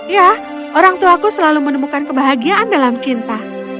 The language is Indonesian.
ya orangtuaku selalu menemukan kebahagiaan dalam cinta